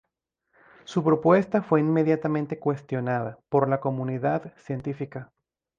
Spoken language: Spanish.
Su propuesta fue inmediatamente cuestionada por la comunidad científica.